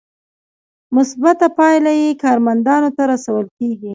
مثبته پایله یې کارمندانو ته رسول کیږي.